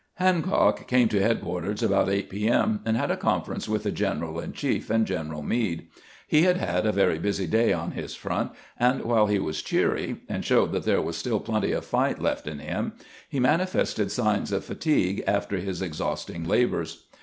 Hancock came to headquarters about 8 p. m., and had a conference with the general in chief and General Meade. He had had a very busy day on his front, and while he was cheery, and showed that there was still plenty of fight left in him, he manifested signs of fatigue after his exhausting labors.